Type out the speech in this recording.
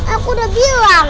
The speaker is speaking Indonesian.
aku udah bilang